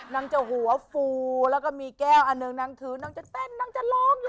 นางจะหัวฟูแล้วก็มีแก้วอันหนึ่งนางถือนางจะเต้นนางจะร้องอยู่